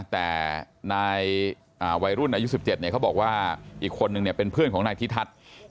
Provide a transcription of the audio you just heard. แต่นายวัยรุ่นอายุ๑๗เขาบอกว่าอีกคนนึงเป็นเพื่อนของนายทิทัศน์